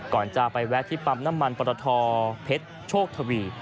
ก่อนจะไปแวะที่ปั๊มน้ำมันปรทเพชรโชคทวี